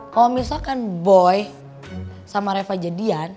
kalau misalkan boy sama reva jadian